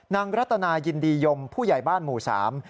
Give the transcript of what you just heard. รัตนายินดียมผู้ใหญ่บ้านหมู่สาม